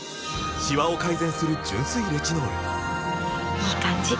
いい感じ！